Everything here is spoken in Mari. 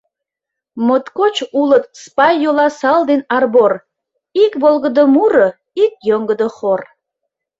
Моткоч улыт спай Йоласал ден Арбор — Ик волгыдо муро, ик йоҥгыдо хор.